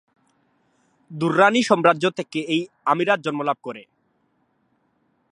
দুররানি সাম্রাজ্য থেকে এই আমিরাত জন্মলাভ করে।